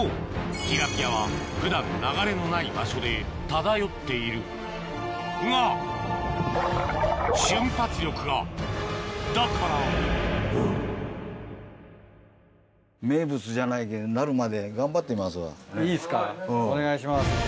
ティラピアは普段流れのない場所で漂っているが瞬発力がだからいいですかお願いします。